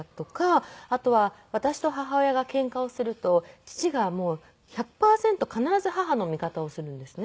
あとは私と母親がケンカをすると父が１００パーセント必ず母の味方をするんですね。